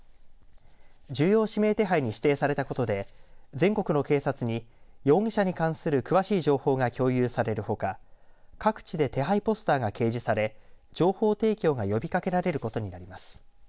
重要指名手配に指定されたことで全国の警察に容疑者に関する詳しい情報が共有されるほか各地で手配ポスターが掲示され情報提供が呼びかけられることになります。